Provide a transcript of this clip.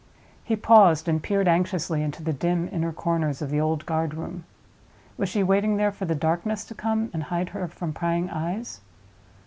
He paused, and peered anxiously into the dim inner corners of the old guard room. Was she waiting there for the darkness to come, and hide her from prying eyes?